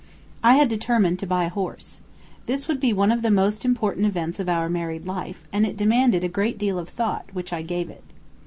I had determined to buy a horse. This would be one of the most important events of our married life, and it demanded a great deal of thought, which I gave it.